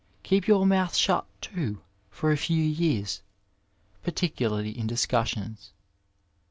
Keep your mouth shut too, for a few years, particularly in discussions.